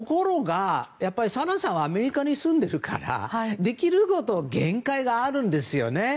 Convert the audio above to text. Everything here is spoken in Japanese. ところが、サラさんはアメリカに住んでるからできることに限界があるんですよね。